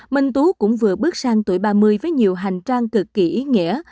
minh tú cũng vừa bước sang tuổi ba mươi với nhiều hành trang cực kỳ ý nghĩa